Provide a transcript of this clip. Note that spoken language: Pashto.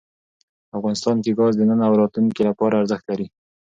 افغانستان کې ګاز د نن او راتلونکي لپاره ارزښت لري.